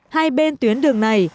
hai bên tuyến đường này